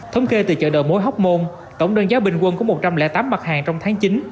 thống kê từ chợ đầu mối hóc môn tổng đơn giá bình quân của một trăm linh tám mặt hàng trong tháng chín